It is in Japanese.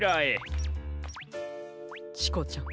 チコちゃん。